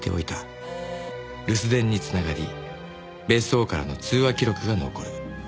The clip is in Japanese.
留守電に繋がり別荘からの通話記録が残る。